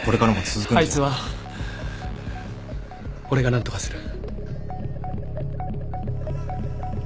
あいつは俺が何とかする。